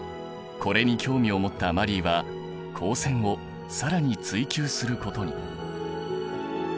これに興味を持ったマリーは光線を更に追究することに。